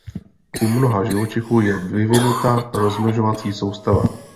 U mnoha živočichů je vyvinuta rozmnožovací soustava.